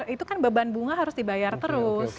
itu kan beban bunga harus dibayar terus